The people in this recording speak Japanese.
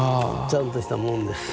ちゃんとしたもんです。